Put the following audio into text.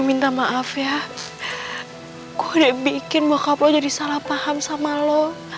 minta maaf ya gue udah bikin bokap lo jadi salah paham sama lo